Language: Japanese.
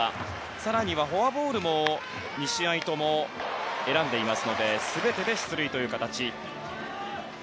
更にはフォアボールも２試合とも選んでいますので全てで出塁という形。